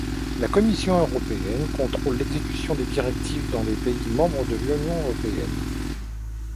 La Commission européenne contrôle l'exécution des directives dans les pays membres de l'Union Européenne.